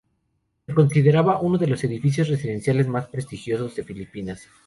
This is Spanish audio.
Se considera uno de los edificios residenciales más prestigiosos de Filipinas.